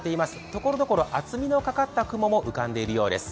ところどころ厚みのかかった雲も浮かんでいるようです。